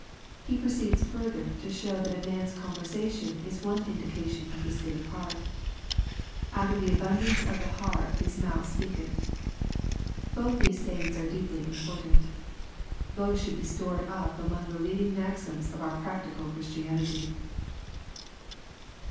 He proceeds further to show that a man's conversation is one indication of his state of heart. " Of the abundance of the heart his mouth speaketh." Both these sayings are deeply important. Both should be stored up among the leading maxims of our practical Christianity.